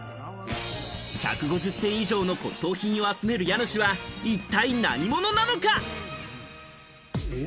１５０点以上の骨董品を集める家主は一体何者なのか？